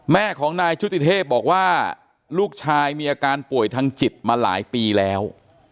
แม่ของนายชุติเทพบอกว่าลูกชายมีอาการป่วยทางจิตมาหลายปีแล้ว